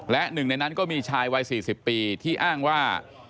และหนึ่งในนั้นก็มีชายวัย๔๐ปีที่อ้างว่า